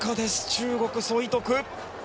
中国、ソ・イトク。